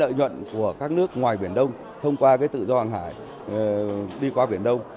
lợi nhuận của các nước ngoài biển đông thông qua tự do hàng hải đi qua biển đông